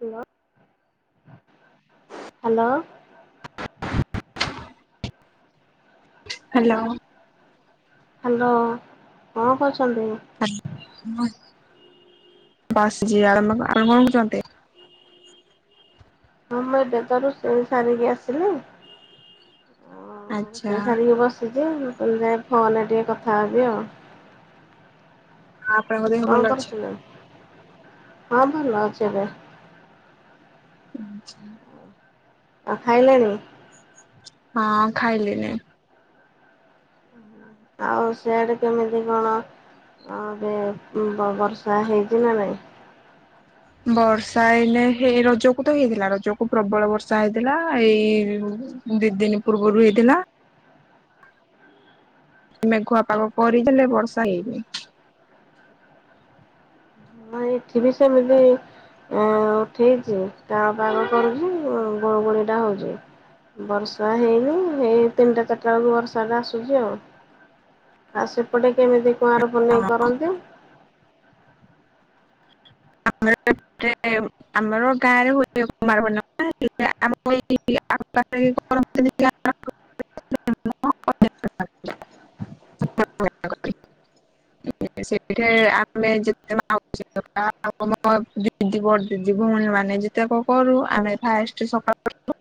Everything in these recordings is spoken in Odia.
Hello hello. ହ୍ୟାଲୋ। ହ୍ୟାଲୋ କଣ କର [unintelligible] [inaudible] ବାସ୍ ଯ ଆରାମ ଆରାମ କ ଚାନ୍ତି। ହଁ ମୁଁ ଏବେ ତ ରୋଷେଇ ସାରିକି ଆସିଲି। ଓ ଆଉ ଆଚ୍ଛା ରୋଷେଇ ସାରିକି ବସି ଆ ମୁଁ ତମେ ଯାଇ ଫୋନରେ ଟିକେ କଥା ହେବି ଆଉ। ଆପଣଙ୍କ ଦେହ କଣ ଭଲ ଅଛି? କରୁଥିଲେ? ହଁ ଭଲ ଅଛ ଏବେ ଆଛା ଆ ଖାଇଲେଣି ହଁ ଖାଇଲିିଣି ଆଉ ସେଆଡେ କେମିତି କଣ ଏବେ ବର୍ଷା ହେଇଛି ନା ନାଇଁ। ବର୍ଷା ହେଇଲେ ହେଇ ରଜକୁ ତ ହେଇଥିଲା ରଜକୁ ପ୍ରବଳ ବର୍ଷା ହେଇଥିଲା ଏଇ ଦି ଦିନ ପୂର୍ବରୁ ହେଇଥିଲା ମେଘୁଆ ପାଗ କରିଦେଲେ ବର୍ଷା ହେଇନି। ହଁ ଏଠି ବି ସେମିତି ଉଁ ଉଠେଇଛି କାଳ ପାଗ କରୁଛି ଗୋଳୁ ଗୋଳି ଟା ହଉଛି ବର୍ଷା ହେଇନି ହେଇ ତିନିଟା ଚାରିଟା ବେଳକୁ ବର୍ଷା ଟା ଆସୁଛି ଆଉ ଆଉ ସେପଟେ କେମିତି କୁଁଆର ପୁନେଇ କରନ୍ତି। ଆମେ [unintelligible] ଆମର ଗାଁରେ ହୁଏ କୁମାର ପର୍ଣ୍ଣିମା [unintelligible] ଆମ ଦିଦି ବଡ଼ ଦିଦି ଭଉଣୀ ମାନେ ଯେତେକ କରୁ ଆମେ ଫାଷ୍ଟ ସକାଳୁ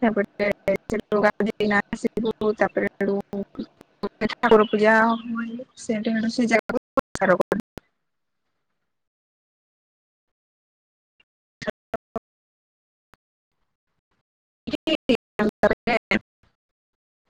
[unintelligible] ଠାକୁର ପୂଜା [unintelligible] ସେ ଜାଗାକୁ [unintelligible] [inaudible]